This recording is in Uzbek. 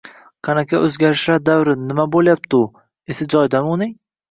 “Qanaqa o‘zgarishlar davri, nima deyapti u, esi joyidami uning?”